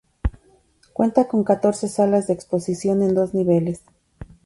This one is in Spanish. Cuenta con catorce salas de exposición en dos niveles.